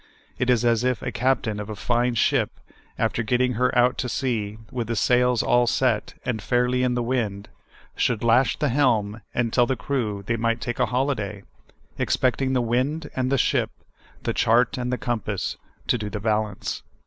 It is as if a captain of a fine ship, after getting her out to sea, with the sails all set, and fairly in the wind, should lash the helm, and tell the crew they might take a holiday, expecting the wind and the ship, the chart and the compass, to do the bal ance.